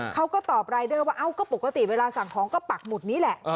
เขาก็ตอบรายเดอร์ว่าเอ้าก็ปกติเวลาสั่งของก็ปักหมุดนี้แหละ